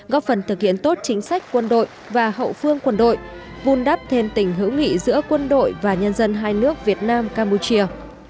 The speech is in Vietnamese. góp phần thực hiện tốt chính sách quân đội và hậu phương quân đội vun đắp thêm tình hữu nghị giữa quân đội và nhân dân hai nước việt nam campuchia